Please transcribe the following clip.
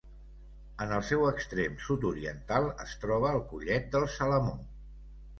En el seu extrem sud-oriental es troba el Collet del Salamó.